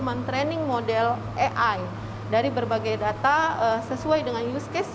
mentraining model ai dari berbagai data sesuai dengan use case